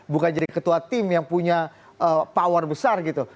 bukan jadi ketua tim yang punya power besar gitu